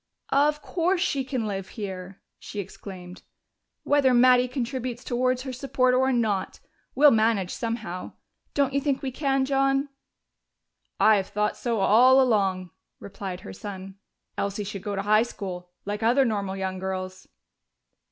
"Of course she can live here!" she exclaimed, "whether Mattie contributes towards her support or not. We'll manage somehow. Don't you think we can, John?" "I have thought so all along," replied her son. "Elsie should go to high school, like other normal young girls."